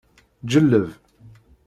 Ǧelleb.